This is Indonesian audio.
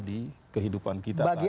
jadi kehidupan kita saat ini